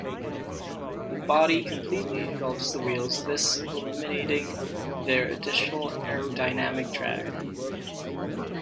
The body completely engulfs the wheels this eliminating their additional aerodynamic drag.